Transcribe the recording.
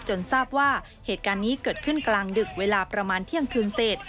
ทราบว่าเหตุการณ์นี้เกิดขึ้นกลางดึกเวลาประมาณเที่ยงคืนเสร็จ